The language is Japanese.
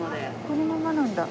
このままなんだ。